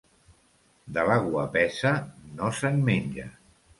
De la guapesa no se'n menja.